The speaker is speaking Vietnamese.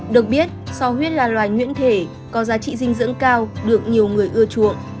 được biết so huyết là loài nhuyễn thể có giá trị dinh dưỡng cao được nhiều người ưa chuộng